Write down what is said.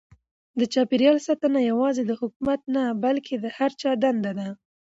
د چاپیریال ساتنه یوازې د حکومت نه بلکې د هر چا دنده ده.